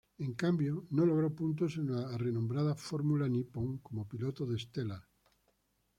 En cambio, no logró puntos en la renombrada Fórmula Nippon como piloto de Stellar.